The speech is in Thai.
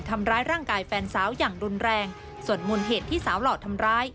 ทำร้ายร่างกายแฟนสาวอย่างรุนแรงส่วนมูลเหตุที่สาวหล่อทำร้าย